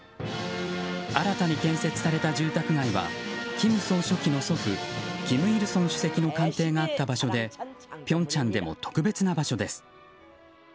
新たに建設された住宅街は金総書記の祖父・金日成主席に関係があった場所でピョンヤンでも特別な場所です。